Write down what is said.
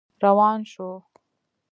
روان شو.